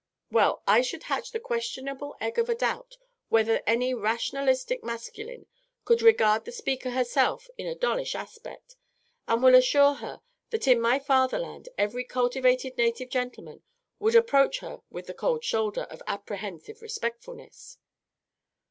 _) Well, I would hatch the questionable egg of a doubt whether any rationalistic masculine could regard the speaker herself in a dollish aspect, and will assure her that in my fatherland every cultivated native gentleman would approach her with the cold shoulder of apprehensive respectfulness.